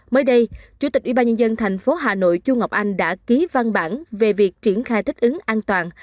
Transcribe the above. mới đây chủ tịch ubnd tp hà nội chu ngọc anh đã ký văn bản về việc triển khai thích ứng an toàn